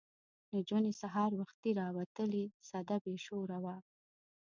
نجونې سهار وختي راوتلې سده بې شوره وه.